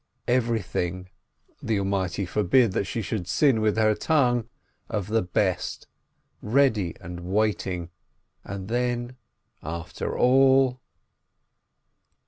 Everything (the Almighty forbid that she should sin with her tongue!) of the best, ready and waiting, and then, after all.